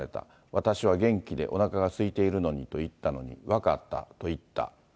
私は元気で、おなかがすいているのにと言ったのに、分かったと言った。